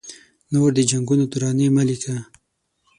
نور د جنګونو ترانې مه لیکه